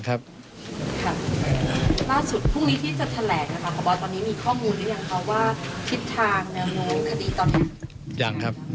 ตอนนี้ได้รับรายงานอย่างไรบ้างคะ